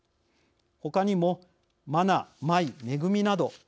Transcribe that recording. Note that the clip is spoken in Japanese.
ほかにも「マナ」「マイ」「メグミ」など。